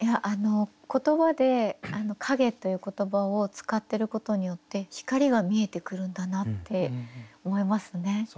言葉で「影」という言葉を使ってることによって光が見えてくるんだなって思いますね。